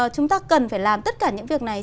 chúng ta cần phải làm tất cả những việc này